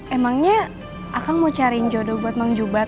emangnya akang mau cariin jodoh buat mang jubah